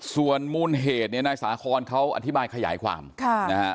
ส่วนมูลเหตุนายสาคอนเขาอธิบายขยายความนะคะ